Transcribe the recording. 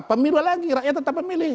pemilu lagi rakyat tetap memilih